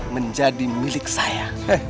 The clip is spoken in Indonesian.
menjadi milik saya